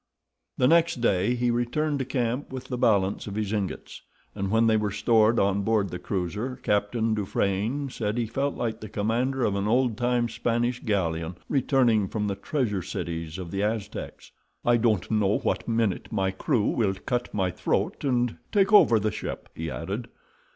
The next day he returned to camp with the balance of his ingots, and when they were stored on board the cruiser Captain Dufranne said he felt like the commander of an old time Spanish galleon returning from the treasure cities of the Aztecs. "I don't know what minute my crew will cut my throat, and take over the ship," he added.